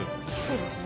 そうですね。